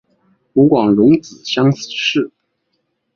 湖广戊子乡试。